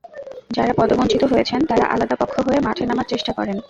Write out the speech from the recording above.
যাঁরা পদবঞ্চিত হয়েছেন, তাঁরা আলাদা পক্ষ হয়ে মাঠে নামার চেষ্টা করেন।